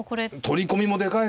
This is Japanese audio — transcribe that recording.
取り込みもでかいですよ。